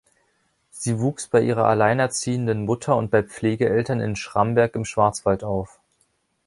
Sie wuchs bei ihrer alleinerziehenden Mutter und bei Pflegeeltern in Schramberg im Schwarzwald auf.